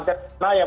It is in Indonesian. karena ya memang